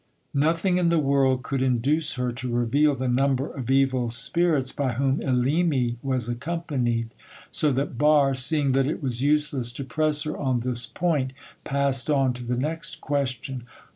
Nothing in the world could induce her to reveal the number of evil spirits by whom Elimi was accompanied, so that Barre, seeing that it was useless to press her on this point, passed on to the next question.